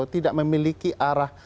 tidak memiliki arah